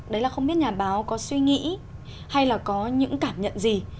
đấy là không biết nhà báo có suy nghĩ hay là có những cảm nhận gì